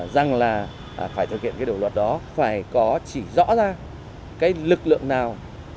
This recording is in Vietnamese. rằng là phải thực hiện cái điều luật đó phải có chỉ rõ ra cái lực lượng nào